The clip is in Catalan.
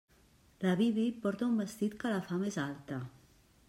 La Bibi porta un vestit que la fa més alta.